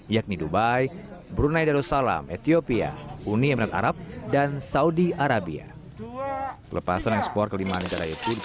yakni dubai brunei darussalam ethiopia uni arab dan saudi arabia lepasan ekspor kelima negara itu